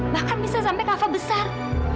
bahkan bisa sampai kakak besar